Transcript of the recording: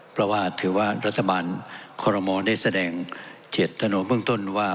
เพราะว่าถือว่ารัฐบาลคอรมอลได้แสดงเจตนาเบื้องต้นว่า